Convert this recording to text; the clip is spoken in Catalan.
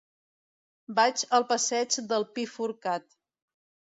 Vaig al passeig del Pi Forcat.